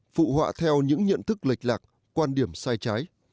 phụ họa theo những nhận thức lệch lạc quan điểm sai trái